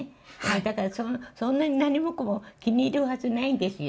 だからそんなに何もかも気に入るはずないんですよ。